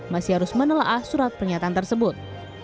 masih harus menelaah surat pernyataan tersebut